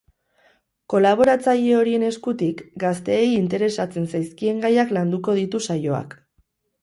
Kolaboratzaile horien eskutik, gazteei interesatzen zaizkien gaiak landuko ditu saioak.